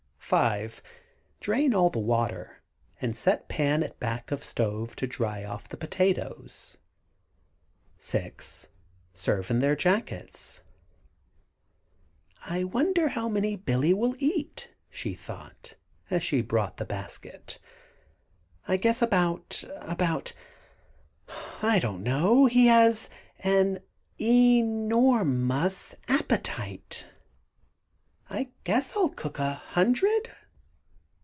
5. Drain off all the water, and set pan at back of stove to dry off the potatoes. 6. Serve in their jackets. [Illustration: Jacket boiled potatoes] "I wonder how many Billy will eat," she thought, as she brought the basket. "I guess about about I don't know. He has an e nor mous appetite. I guess I'll cook a hundred."